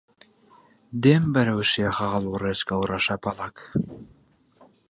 دێم بەرەو شیخاڵ و ڕێچکە و ڕەشبەڵەک